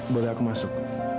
boleh aku masuk